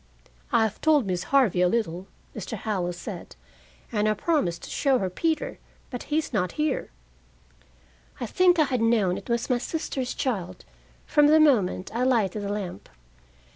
"I have told Miss Harvey a little," Mr. Howell said, "and I promised to show her Peter, but he is not here." I think I had known it was my sister's child from the moment I lighted the lamp.